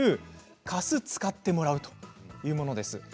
貸す、使ってもらうというものです。